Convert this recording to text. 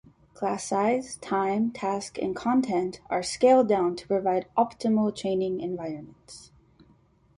Class size, time, task, and content are scaled down to provide optimal training environments.